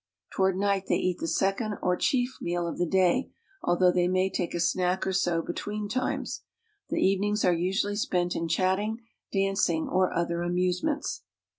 Toward night they eat the second or chief meal of the day, although they may take a snack or so between times. The evenings are usually spent in chatting, dancing, or other amusements.